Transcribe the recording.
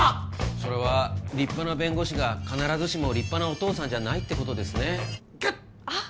それは立派な弁護士が必ずしも立派なお父さんじゃないってことぐっあっ